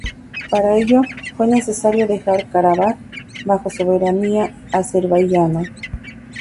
Para ello, fue necesario dejar Karabaj bajo soberanía azerbaiyana.